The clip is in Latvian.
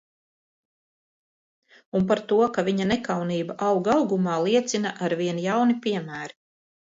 Un par to, ka viņu nekaunība aug augumā, liecina arvien jauni piemēri.